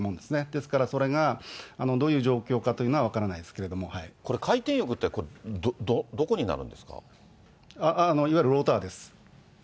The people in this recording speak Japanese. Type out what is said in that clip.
ですから、それがどういう状況かというのは分からないですけれどこれ、回転翼ってどこになるいわゆるローターです。